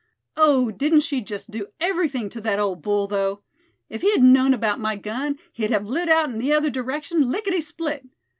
Oh! didn't she just do everything to that old bull, though? If he'd known about my gun he'd have lit out in the other direction, licketty split.